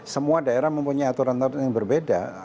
semua daerah mempunyai aturan aturan yang berbeda